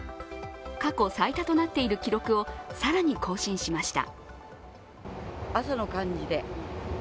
過去最多となっている記録を更に更新しました。